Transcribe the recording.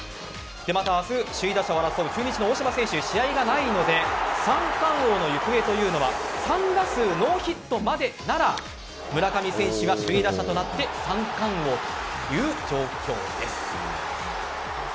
また、明日、首位打者を争う中日の大島選手、試合がないので三冠王の行方というのは３打数ノーヒットまでなら村上選手が首位打者となって三冠王という状況です。